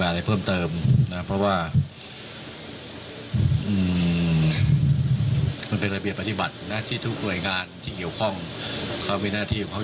อันตรายกับไฟเล้ลึกไขนักซิ่ง